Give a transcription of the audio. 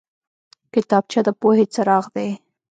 کتابچه د پوهې څراغ دی